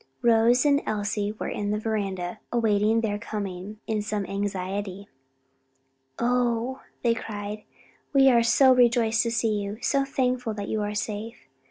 Rose and Elsie were in the veranda awaiting their coming in some anxiety. "Oh," they cried, "we are so rejoiced to see you! so thankful that you are safe.